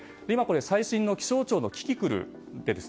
最新の気象庁のキキクルです。